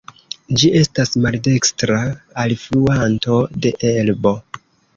Ĝi estas maldekstra alfluanto de Elbo.